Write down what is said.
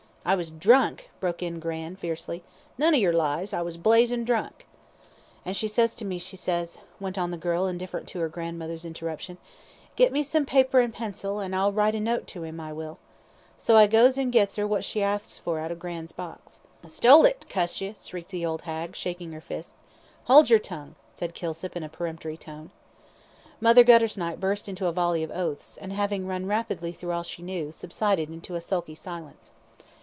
"I was drunk," broke in gran', fiercely, "none of yer lies; I was blazin' drunk." "An' ses she to me, she ses," went on the girl, indifferent to her grandmother's interruption, "'Get me some paper an' a pencil, an' I'll write a note to 'im, I will.' So I goes an' gits 'er what she arsks fur out of gran's box." "Stole it, cuss ye," shrieked the old hag, shaking her fist. "Hold your tongue," said Kilsip, in a peremptory tone. Mother Guttersnipe burst into a volley of oaths, and having run rapidly through all she knew, subsided into a sulky silence.